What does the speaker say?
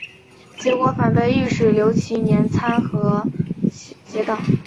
结果反被御史刘其年参劾结党。